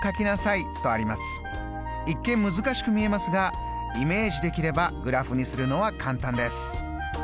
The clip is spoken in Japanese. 一見難しく見えますがイメージできればグラフにするのは簡単です。